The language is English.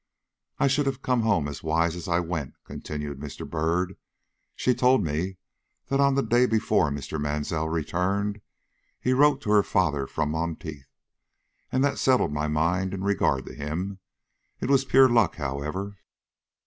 "I should have come home as wise as I went," continued Mr. Byrd. "She told me that on the day before Mr. Mansell returned, he wrote to her father from Monteith, and that settled my mind in regard to him. It was pure luck, however."